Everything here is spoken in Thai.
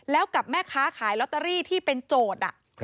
แล้วกับแม่ค้าขายลอตเตอรี่ที่เป็นโจทย์